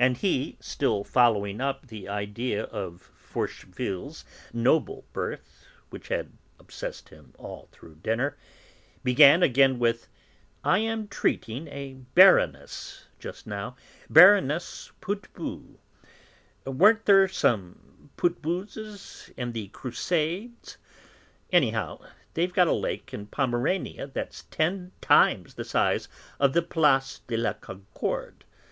And he, still following up the idea of Forcheville's noble birth, which had obsessed him all through dinner, began again with: "I am treating a Baroness just now, Baroness Putbus; weren't there some Putbuses in the Crusades? Anyhow they've got a lake in Pomerania that's ten times the size of the Place de la Concorde.